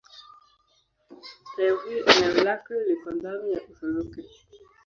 Leo hii eneo lake liko ndani ya Uturuki.